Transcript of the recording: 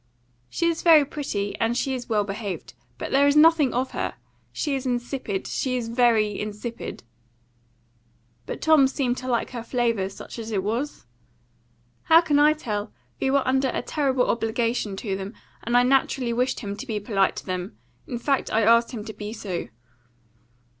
"She is very pretty, and she is well behaved; but there is nothing of her. She is insipid; she is very insipid." "But Tom seemed to like her flavour, such as it was?" "How can I tell? We were under a terrible obligation to them, and I naturally wished him to be polite to them. In fact, I asked him to be so."